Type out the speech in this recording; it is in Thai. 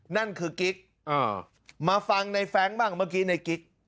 นั่นคือกิ๊กมาฟังในแฟรงค์บ้างเมื่อกี้ในกิ๊ก